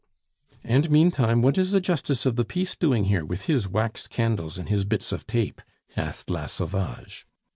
"And meantime what is the justice of the peace doing here with his wax candles and his bits of tape?" asked La Sauvage.